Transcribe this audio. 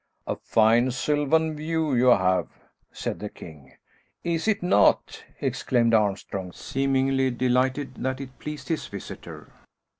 "A fine sylvan view you have," said the king. "Is it not!" exclaimed Armstrong, seemingly delighted that it pleased his visitor.